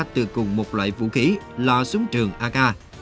từ cùng một loại vũ khí lo súng trường ak